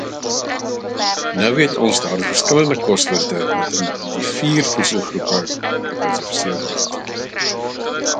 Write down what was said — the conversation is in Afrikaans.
Nou weet ons daar is verskillende kossoorte wat in die vier voedselgroepe geklassifiseer word.